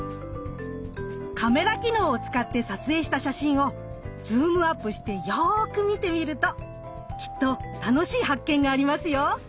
カメラ機能を使って撮影した写真をズームアップしてよく見てみるときっと楽しい発見がありますよ！